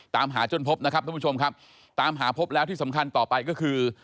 ตามหาจนพบนะครับทุกผู้ชมครับตามหาพบแล้วที่สำคัญต่อไปก็คือ